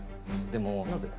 でもなぜ？